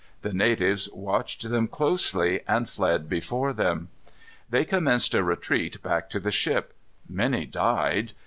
The natives watched them closely, and fled before them. They commenced a retreat back to the ship. Many died.